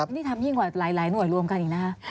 เพื่อนนี้ทำเถี้ยงกว่าหลายหน่วยรวมกันอีกนะฮะ